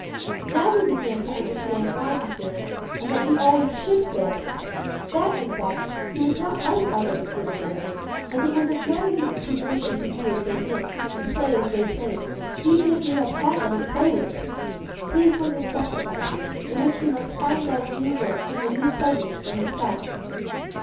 Now he began to understand why he failed, and that he always should fail that, in fact, he was not like other little boys; and it was of no use his wishing to do as they did, and play as they played, even if he had had them to play with. His was a separate life, in which he must find out new work and new pleasures for himself.